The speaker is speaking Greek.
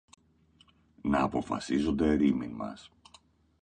να αποφασίζονται ερήμην μας.